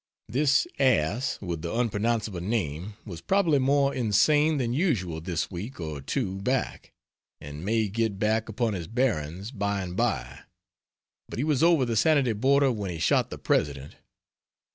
This ass with the unpronounceable name was probably more insane than usual this week or two back, and may get back upon his bearings by and by, but he was over the sanity border when he shot the President.